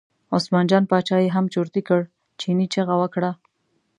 عثمان جان باچا یې هم چرتي کړ، چیني چغه وکړه.